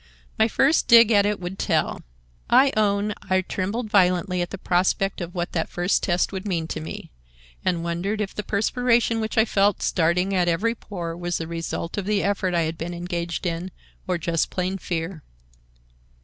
My first dig at it would tell. I own I trembled violently at the prospect of what that first test would mean to me, and wondered if the perspiration which I felt starting at every pore was the result of the effort I had been engaged in or just plain fear.